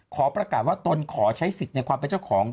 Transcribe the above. ขอประกาศว่าตนขอใช้สิทธิ์ในความเป็นเจ้าของ